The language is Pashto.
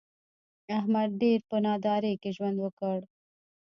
احمد ډېر په نادارۍ کې ژوند وکړ.